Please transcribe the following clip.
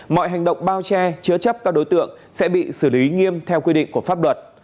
mọi hành động bao che chứa chấp các đối tượng sẽ bị xử lý nghiêm theo quy định của pháp luật